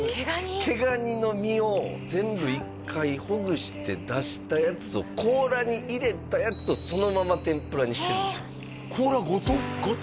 毛ガニの身を全部一回ほぐして出したやつを甲羅に入れたやつをそのまま天ぷらにしてるんです甲羅ごと？